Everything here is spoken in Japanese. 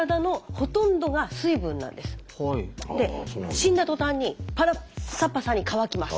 死んだ途端にパッサパサに乾きます。